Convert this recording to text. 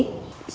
thưa tiến sĩ